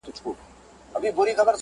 راکوه سونډي خو دومره زیاتي هم نه,